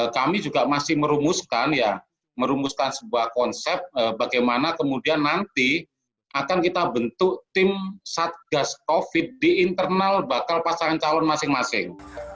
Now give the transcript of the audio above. kami juga masih merumuskan sebuah konsep bagaimana kemudian nanti akan kita bentuk tim satgas covid di internal bakal pasangan calon masing masing